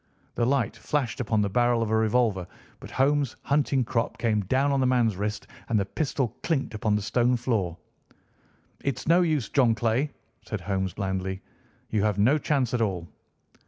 The light flashed upon the barrel of a revolver, but Holmes' hunting crop came down on the man's wrist, and the pistol clinked upon the stone floor. "It's no use, John Clay," said Holmes blandly. "You have no chance at all."